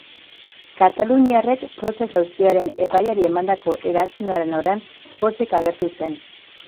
Kataluniarrek proces auziaren epaiari emandako erantzunaren aurrean pozik agertu zen.